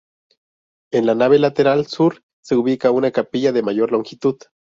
En la nave lateral sur se ubica una capilla de mayor longitud.